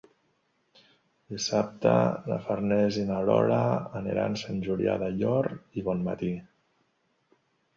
Dissabte na Farners i na Lola aniran a Sant Julià del Llor i Bonmatí.